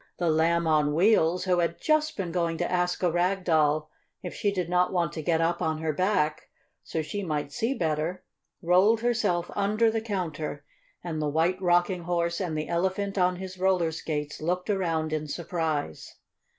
The Lamb on Wheels, who had just been going to ask a Rag Doll if she did not want to get up on her back, so she might see better, rolled herself under the counter, and the White Rocking Horse and the Elephant on his roller skates looked around in surprise.